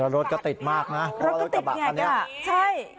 แล้วรถก็ติดมากนะรถก็ติดไงค่ะใช่